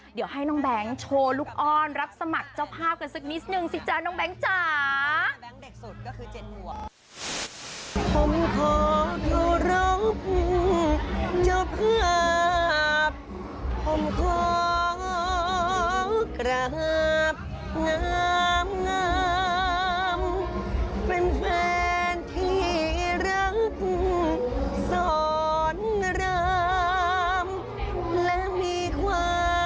เดี๋ยวให้น้องแบงค์โชว์ลูกอ้อนรับสมัครเจ้าภาพกันสักนิดนึงสิจ๊ะน้องแก๊งจ๋า